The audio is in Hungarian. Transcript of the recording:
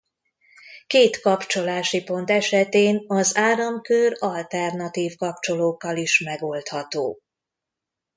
Két kapcsolási pont esetén az áramkör alternatív kapcsolókkal is megoldható.